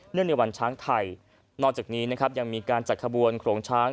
เนื่องในวันช้างไทยนอกจากนี้ยังมีการจัดขบวนโครงช้าง